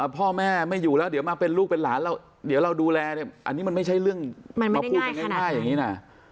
พ่อแม่ไม่อยู่แล้วเดี๋ยวมาเป็นลูกเป็นหลานเราเดี๋ยวเราดูแลเนี่ยอันนี้มันไม่ใช่เรื่องมาพูดกันง่ายอย่างนี้นะ